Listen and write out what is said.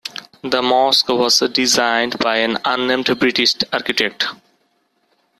The mosque was designed by an unnamed British architect.